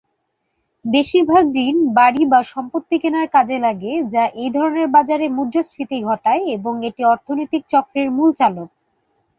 বেশিরভাগ ঋণ, বাড়ি বা সম্পত্তি কেনার কাজে লাগে যা এইধরনের বাজারে মুদ্রাস্ফীতি ঘটায় এবং এটি অর্থনৈতিক চক্রের মূল চালক।